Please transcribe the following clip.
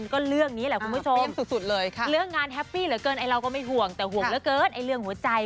คุณผู้ชมค่ะช่วงนี้อยากจะนั่งพับเพียบคุณผู้ชมค่ะช่วงนี้อยากจะนั่งพับเพียบ